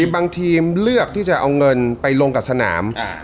บางทีมเลือกที่จะเอาเงินไปลงกับสนาม